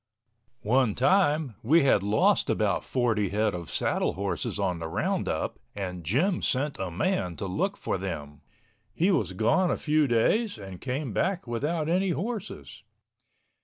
One time we had lost about forty head of saddle horses on the roundup and Jim sent a man to look for them. He was gone a few days and came back without any horses.